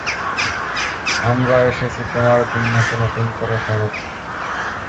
আমরা এসেছি তোমার দুনিয়াকে নতুন করে সাজাতে!